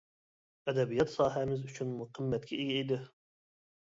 ئەدەبىيات ساھەمىز ئۈچۈنمۇ قىممەتكە ئىگە ئىدى.